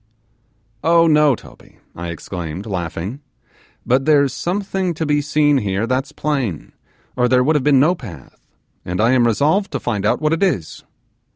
'Oh, no, Toby,' I exclaimed, laughing; 'but there's something to be seen here, that's plain, or there would have been no path, and I am resolved to find out what it is.